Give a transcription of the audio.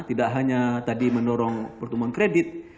tidak hanya tadi mendorong pertumbuhan kredit